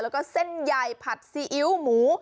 แล้วก็เส้นใหญ่ผัดซีอิ๊วหมู